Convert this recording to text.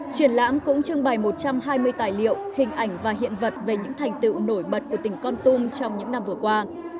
triển lãm cũng trưng bày một trăm hai mươi tài liệu hình ảnh và hiện vật về những thành tựu nổi bật của tỉnh con tum trong những năm vừa qua